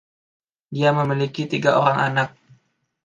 Dia memiliki tiga orang anak.